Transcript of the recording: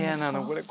これ。